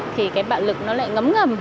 thì cái bạo lực nó lại ngấm ngầm